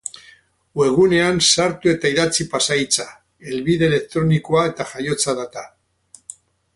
Webgunean sartu eta idatzi pasahitza, helbide elektronikoa eta jaiotza data.